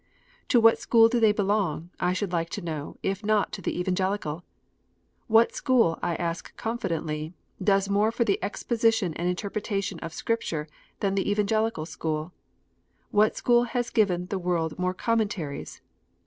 To what school do they belong, I should like to know, if not to the Evangelical 1 What school, I ask confidently, has done more for the exposition and interpreta tion of Scripture than the Evangelical school 1 What school has given to the world more Commentaries?